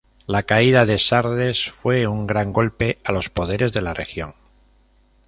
La caída de Sardes fue un gran golpe a los poderes de la región.